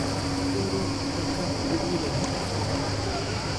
Guruji jaigabɨ jiroitɨkue.